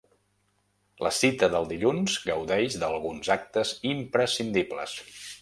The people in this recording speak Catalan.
La cita del dilluns gaudeix d’alguns actes imprescindibles.